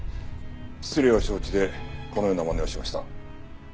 失礼を承知でこのようなまねをしました。